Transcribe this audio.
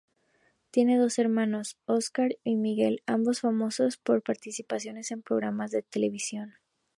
Tiene dos hermanos, Óscar y Miguel, ambos famosos por participaciones en programas de televisión.